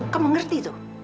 kamu ngerti tuh